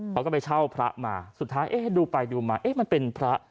เขาก็ไปเช่าพระมาสุดท้ายเอ๊ะดูไปดูมาเอ๊ะมันเป็นพระ